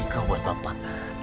ini kau buat bapak